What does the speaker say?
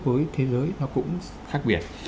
với thế giới nó cũng khác biệt